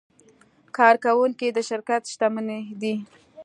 کارکوونکي د شرکت شتمني ده.